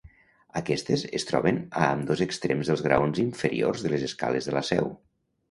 Aquestes es troben a ambdós extrems dels graons inferiors de les escales de la Seu.